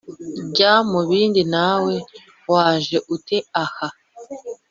"jya mu bindi nawe, waje ute aha?"